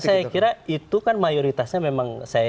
saya kira itu kan mayoritasnya memang saya